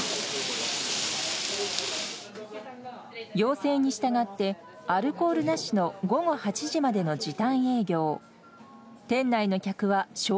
要請に従って、アルコールなしの午後８時までの時短営業。